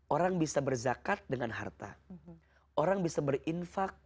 orang bisa berzakat dengan harta orang bisa berinfak